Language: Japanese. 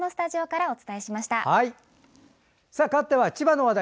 かわっては千葉の話題。